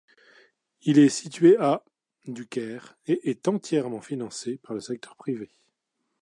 Il est situé à du Caire et est entièrement financé par le secteur privé.